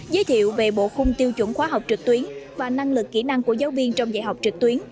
giới thiệu về bộ khung tiêu chuẩn khoa học trực tuyến và năng lực kỹ năng của giáo viên trong dạy học trực tuyến